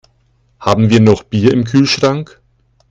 Haben wir noch Bier im Kühlschrank?